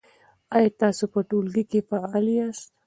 آیا تاسو په ټولګي کې فعال یاست؟